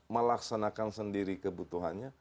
melaksanakan sendiri kebutuhannya